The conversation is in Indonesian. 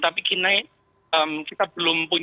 tapi kita sudah melakukan penelitian